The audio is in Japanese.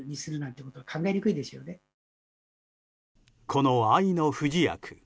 この愛の不死薬。